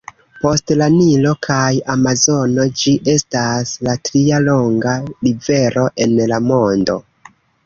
Post la Nilo kaj Amazono, ĝi estas la tria longa rivero en la mondo.